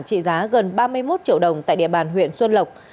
trị giá gần ba mươi một triệu đồng tại địa bàn huyện xuân lộc